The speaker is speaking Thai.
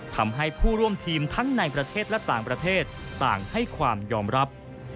ทำให้ผู้ร่วมทีมทั้งในประเทศและต่างประเทศต่างให้ความยอมรับ